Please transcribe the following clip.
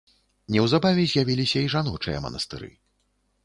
Неўзабаве з'явіліся і жаночыя манастыры.